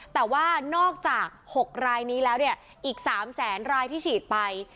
แต่ว่านอกจาก๖รายนี้แล้วเนี่ยอีก๓แสนรายที่ฉีดไป